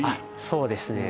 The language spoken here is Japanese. そうですね